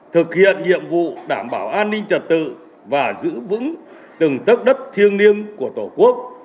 thực hiện nhiệm vụ đảm bảo an ninh trật tự và giữ vững từng tất đất thiêng liêng của tổ quốc